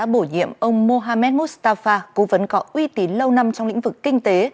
bổ nhiệm ông mohammed mustafa cố vấn có uy tín lâu năm trong lĩnh vực kinh tế